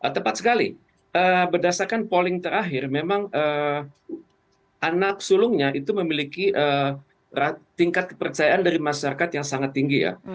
tepat sekali berdasarkan polling terakhir memang anak sulungnya itu memiliki tingkat kepercayaan dari masyarakat yang sangat tinggi ya